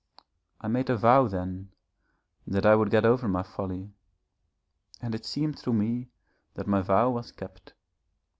I made a vow then that I would get over my folly, and it seemed to me that my vow was kept.